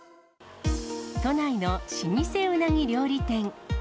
都内の老舗ウナギ料理店。